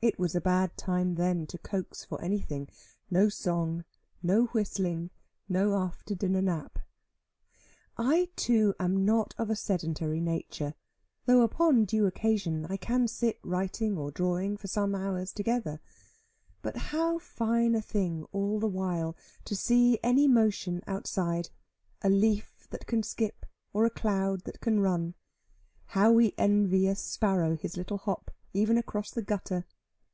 It was a bad time then to coax for anything no song, no whistling, no after dinner nap. I too am not of a sedentary nature, though upon due occasion I can sit writing or drawing for some hours together. But how fine a thing all the while to see any motion outside a leaf that can skip, or a cloud that can run! How we envy a sparrow his little hop, even across the gutter.